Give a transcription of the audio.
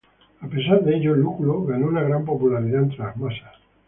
A pesar de ello, Lúculo ganó una gran popularidad entre las masas.